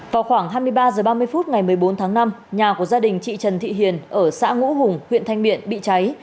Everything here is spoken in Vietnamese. vào khoảng hai mươi ba h ba mươi phút ngày một mươi bốn tháng năm nhà của gia đình chị trần thị hiền ở xã ngũ hùng huyện thanh miện bị cháy